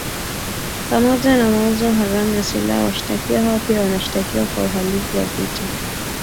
Pamoja na mauzo haramu ya silaha washtakiwa hao pia wanashtakiwa kwa uhalivu wa vita